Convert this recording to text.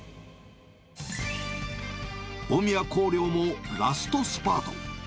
大宮光陵もラストスパート。